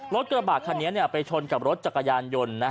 รถกระบะคันนี้ไปชนกับรถจักรยานยนต์